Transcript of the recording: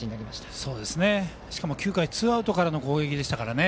しかも９回ツーアウトからの攻撃でしたから。